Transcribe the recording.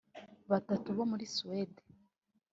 batatu bo muri Swede